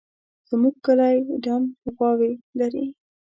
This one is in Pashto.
زموږ کلی دڼ غواوې لري